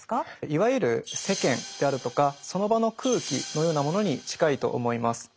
いわゆる世間であるとかその場の空気のようなものに近いと思います。